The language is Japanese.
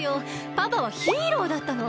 パパはヒーローだったの。